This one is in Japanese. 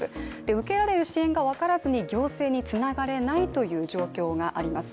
受けられる支援が分からずに行政につながれないという状況があります。